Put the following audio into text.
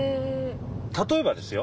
例えばですよ？